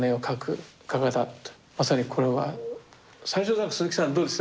まさにこれは最初だから鈴木さんどうですか？